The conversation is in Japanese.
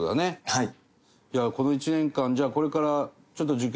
はい。